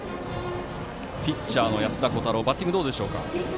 ピッチャーの安田虎汰郎バッティングどうでしょうか。